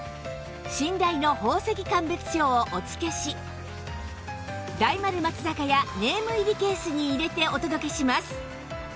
信頼の宝石鑑別書をお付けし大丸松坂屋ネーム入りケースに入れてお届けします